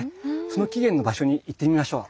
その起源の場所に行ってみましょう。